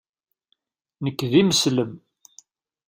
Nekk d imeslem.